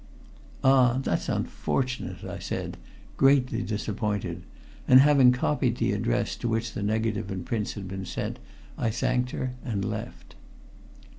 "Ah! that's unfortunate," I said, greatly disappointed; and having copied the address to which the negative and prints had been sent, I thanked her and left.